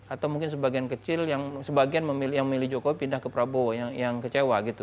atau mungkin sebagian kecil yang memilih jokowi pindah ke prabowo yang kecewa